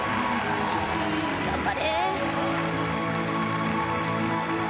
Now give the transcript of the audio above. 頑張れ。